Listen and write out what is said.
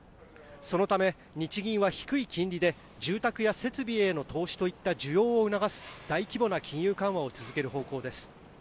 そのため、日銀は低い金利で住宅や設備への投資といった需要を促す大規模な金融緩和を続ける方向です。